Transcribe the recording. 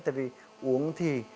tại vì uống thì